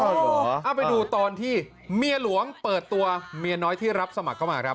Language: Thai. เอาเหรอเอาไปดูตอนที่เมียหลวงเปิดตัวเมียน้อยที่รับสมัครเข้ามาครับ